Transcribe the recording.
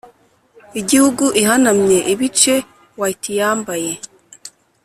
igihugu ihanamye ibice white-yambaye,